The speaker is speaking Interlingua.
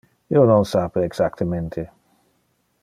Io non sape exactemente.